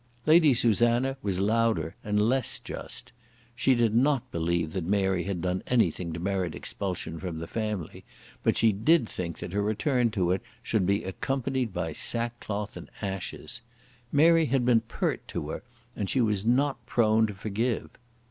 Lady Susanna was louder and less just. She did not believe that Mary had done anything to merit expulsion from the family; but she did think that her return to it should be accompanied by sackcloth and ashes. Mary had been pert to her, and she was not prone to forgive.